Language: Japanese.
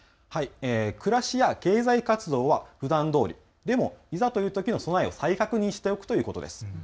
暮らしや経済活動はふだんどおり、でもいざというときへの備えを再確認しておくということです。